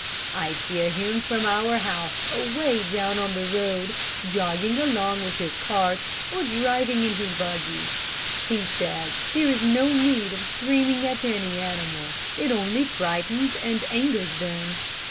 I'd hear him from our house away down on the road, jogging along with his cart, or driving in his buggy. He says there is no need of screaming at any animal. It only frightens and angers them.